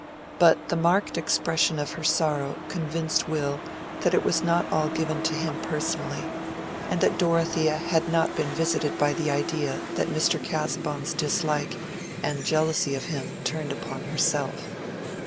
But the marked expression of her sorrow convinced Will that it was not all given to him personally, and that Dorothea had not been visited by the idea that Mr. Casaubon's dislike and jealousy of him turned upon herself.